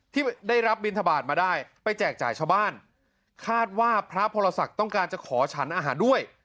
ที่ได้รับบินทบาทมาได้ไปแจกจ่ายชาวบ้านคาดว่าพระพรศักดิ์ต้องการจะขอฉันอาหารด้วย